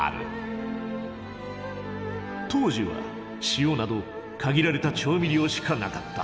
当時は塩など限られた調味料しかなかった。